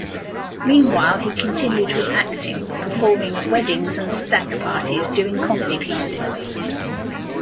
Meanwhile, he continued with acting, performing at weddings and stag parties doing comedy pieces.